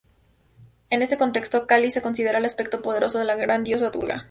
En este contexto, Kali se considera el aspecto poderoso de la gran diosa Durga.